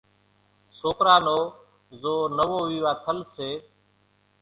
سوڪرا نو زو نوو ويوا ٿل سي،